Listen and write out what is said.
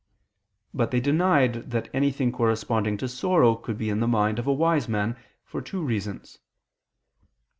But they denied that anything corresponding to sorrow could be in the mind of a wise man, for two reasons.